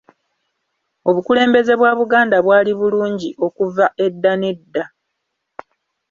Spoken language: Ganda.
Obukulembeze bwa Buganda bwali bulungi okuva edda n'edda.